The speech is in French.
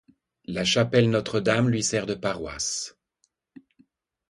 La chapelle Notre-Dame lui sert de paroisse.